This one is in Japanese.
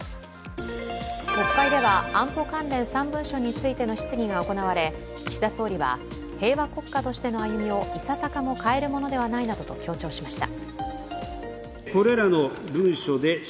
国会では安保関連３文書についての質疑が行われ岸田総理は、平和国家としての歩みをいささかも変えるものではないなどと強調しました。